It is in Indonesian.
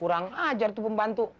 kurang ajar tuh pembantu